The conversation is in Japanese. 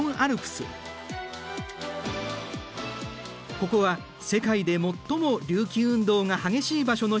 ここは世界で最も隆起運動が激しい場所の一つといわれている。